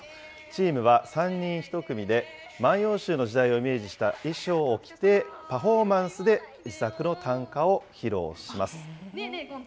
チームは３人１組で、万葉集の時代をイメージした衣装を着て、パフォーマンスで自作の短歌を披露します。